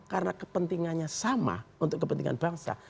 karena kepentingannya sama untuk kepentingan bangsa